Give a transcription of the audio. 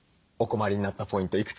お困りになったポイント